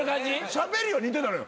しゃべりは似てたのよ。